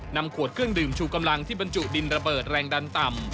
นำขวดเครื่องดื่มชูกำลังที่บรรจุดินระเบิดแรงดันต่ำ